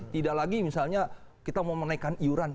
tidak lagi misalnya kita mau menaikkan iuran